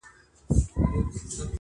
هغه ځان ته نوی ژوند لټوي